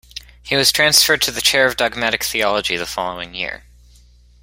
He was transferred to the chair of dogmatic theology the following year.